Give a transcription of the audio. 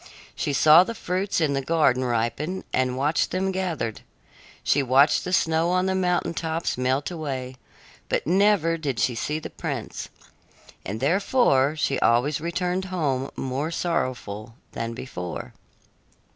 She saw the fruits in the garden ripen and watched them gathered; she watched the snow on the mountain tops melt away; but never did she see the prince, and therefore she always returned home more sorrowful than before.